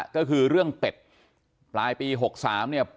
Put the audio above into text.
ก็คือเรื่องเป็ดปลายปี๖๓เนี่ย